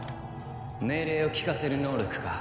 命令を聞かせる能力か？